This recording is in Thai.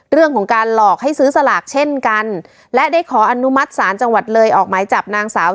เรื่องของการหลอกให้ซื้อสลากเช่นกันและได้ขออนุมัติศาลจังหวัดเลยออกหมายจับนางสาว